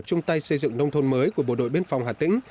chung tay xây dựng nông thôn mới của bộ đội biên phòng hà tĩnh